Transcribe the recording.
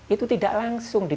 itu tidak langsung bom